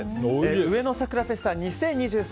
うえの桜フェスタ２０２３